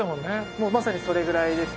もうまさにそれぐらいですね。